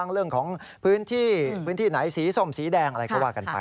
เรื่องของพื้นที่พื้นที่ไหนสีส้มสีแดงอะไรก็ว่ากันไป